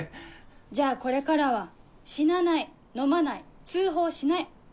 じゃあこれからは死なない飲まない通報しない。